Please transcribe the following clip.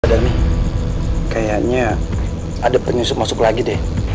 bapak darmi kayaknya ada penyusup masuk lagi deh